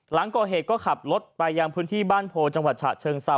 หลังก่อเหตุก็ขับรถไปยังพื้นที่บ้านโพจังหวัดฉะเชิงเซา